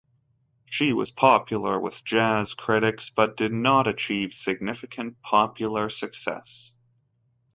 She was popular with jazz critics, but did not achieve significant popular success.